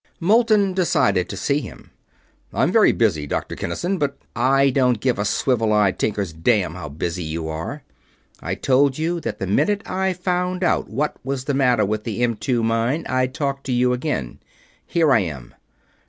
Moulton decided to see him. "I'm very busy, Doctor Kinnison, but...." "I don't give a swivel eyed tinker's damn how busy you are. I told you that the minute I found out what was the matter with the M2 mine I'd talk to you again. Here I am.